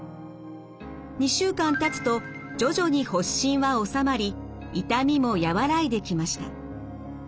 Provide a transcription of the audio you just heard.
２週間たつと徐々に発疹は治まり痛みも和らいできました。